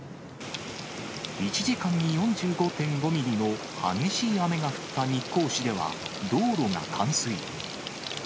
１時間に４５．５ミリの激しい雨が降った日光市では、道路が冠水。